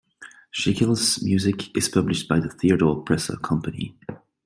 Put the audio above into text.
Schickele's music is published by the Theodore Presser Company.